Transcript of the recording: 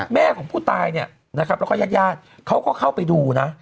แม่ของผู้ตายเนี่ยนะครับแล้วก็ญาติญาติเขาก็เข้าไปดูนะ